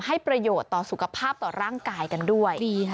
ให้ประโยชน์ต่อสุขภาพต่อร่างกายกันด้วย